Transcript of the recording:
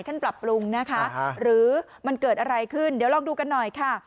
ปรับปรุงนะคะหรือมันเกิดอะไรขึ้นเดี๋ยวลองดูกันหน่อยค่ะ